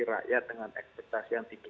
kepala daerah dengan ekspektasi yang tinggi